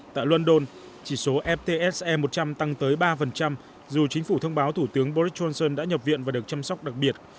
tại london chỉ số ftse một trăm linh tăng tới ba dù chính phủ thông báo thủ tướng boris johnson đã nhập viện và được chăm sóc đặc biệt